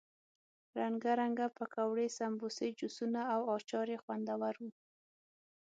رنګه رنګه پکوړې، سموسې، جوسونه او اچار یې خوندور وو.